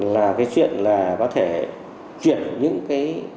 là cái chuyện là có thể chuyển những cái